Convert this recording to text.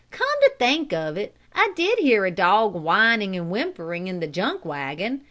"Come to think of it I did hear a dog whining and whimpering in the junk wagon.